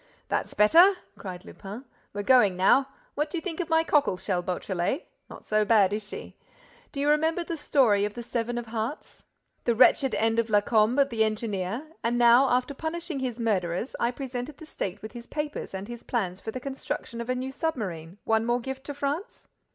"That's better," cried Lupin. "We're going now. What do you think of my cockle shell, Beautrelet? Not so bad, is she? Do you remember the story of the Seven of Hearts, the wretched end of Lacombe, the engineer, and how, after punishing his murderers, I presented the State with his papers and his plans for the construction of a new submarine: one more gift to France?